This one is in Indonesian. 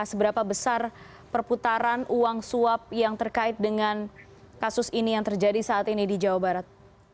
seberapa besar perputaran uang suap yang terkait dengan kasus ini yang terjadi saat ini di jawa barat